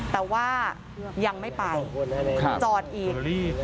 แต่ว่ายังไม่ไปจอดอีก